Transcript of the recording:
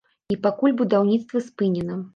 І пакуль будаўніцтва спынена.